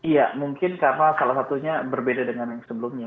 ya mungkin karena salah satunya berbeda dengan yang sebelumnya